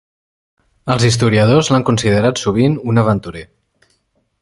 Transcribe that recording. Els historiadors l'han considerat sovint un aventurer.